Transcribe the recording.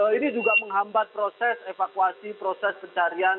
ini juga menghambat proses evakuasi proses pencarian